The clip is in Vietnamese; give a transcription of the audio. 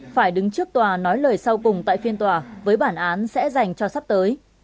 phải đứng trước tòa nói lời sau cùng tại phiên tòa với bản án sẽ dành cho sắp tới